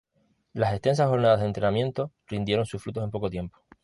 Las extensas jornadas de entrenamiento rindieron sus frutos en poco tiempo.